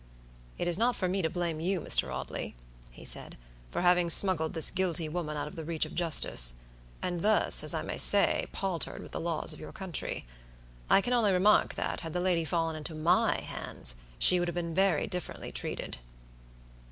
"It is not for me to blame you, Mr. Audley," he said, "for having smuggled this guilty woman out of the reach of justice, and thus, as I may say, paltered with the laws of your country. I can only remark that, had the lady fallen into my hands, she would have been very differently treated."